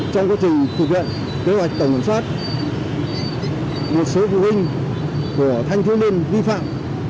trong quá trình thực hiện kế hoạch tổng kiểm soát một số phụ huynh của thanh thiếu niên vi phạm